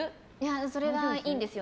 それがいいんですよ。